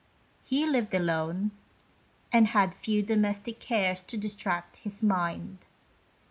He lived alone, and had few domestic cares to distract his mind.